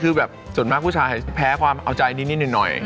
คือแบบส่วนมากผู้ชายแพ้ความเอาใจนิดหน่อย